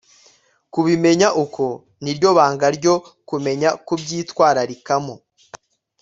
kubimenya uko ni ryo banga ryo kumenya kubwitwararikamo